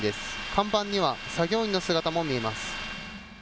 甲板には作業員の姿も見えます。